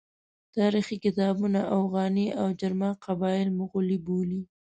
تاریخي کتابونه اوغاني او جرما قبایل مغول بولي.